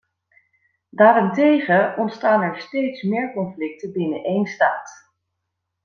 Daarentegen ontstaan er steeds meer conflicten binnen een staat.